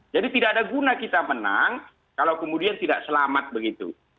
jadi tidak ada guna kita menang kalau kemudian tidak selamat begitu